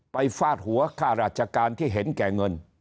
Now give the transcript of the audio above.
ฟาดหัวค่าราชการที่เห็นแก่เงิน